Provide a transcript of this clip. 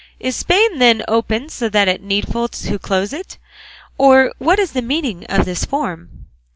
Is Spain, then, open, so that it is needful to close it; or what is the meaning of this form?"